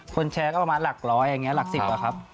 คนแชร์ก็ประมาณหลักร้อยหลัก๑๐ครับ